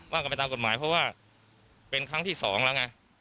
ว่ากันไปตามกฎหมายเพราะว่าเป็นครั้งที่สองแล้วไง